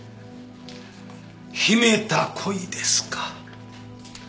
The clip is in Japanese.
秘めた恋ですか。